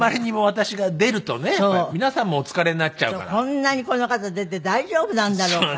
こんなにこの方出て大丈夫なんだろうかって。